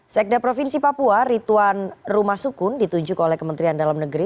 sekda provinsi papua ritwan rumah sukun ditunjuk oleh kementerian dalam negeri